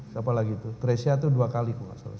siapa lagi itu teresia itu dua kali